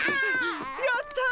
やった！